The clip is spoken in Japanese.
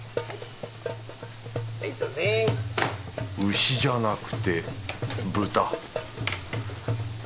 牛じゃなくて豚